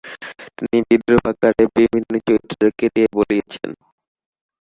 তিনি বিদ্রুপাকারে বিভিন্ন চরিত্রকে দিয়ে বলিয়েছেন।